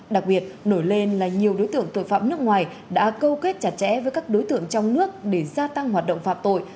đặc biệt nổi lên là nhiều đối tượng tội phạm nước ngoài đã câu kết chặt chẽ với các đối tượng trong nước để gia tăng hoạt động phạm tội